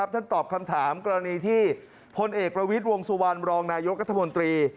ตอบคำถามกรณีที่พลเอกประวิทย์วงสุวรรณรองนายกรัฐมนตรี